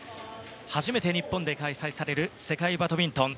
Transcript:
初めて日本で開催される世界バドミントン。